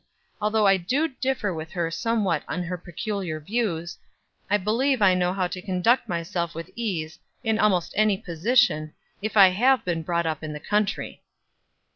Although I do differ with her somewhat in her peculiar views, I believe I know how to conduct myself with ease, in almost any position, if I have been brought up in the country."